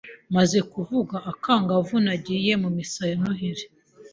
Maze kuba akangavu nagiye mu misa ya Noheli.